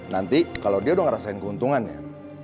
nanti kalau dia udah ngerasain keuntungannya